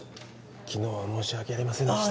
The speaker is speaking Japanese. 昨日は申し訳ありませんでした